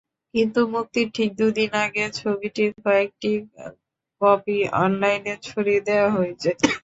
কিন্তু মুক্তির ঠিক দুদিন আগে ছবিটির কয়েকটি কপি অনলাইনে ছড়িয়ে দেওয়া হয়েছে।